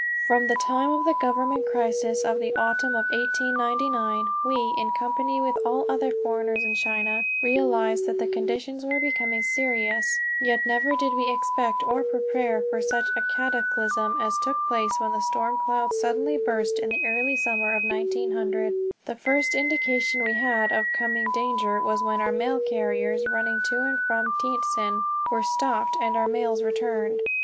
From the time of the government crisis of the autumn of 1899, we, in company with all other foreigners in China, realized that conditions were becoming serious, yet never did we expect or prepare for such a cataclysm as took place when the storm clouds suddenly burst in the early summer of 1900. The first indication we had of coming danger was when our mail carriers running to and from Tientsin were stopped and our mails returned.